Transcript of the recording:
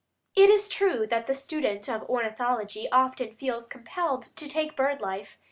It is true that the student of ornithology often feels compelled to take bird life.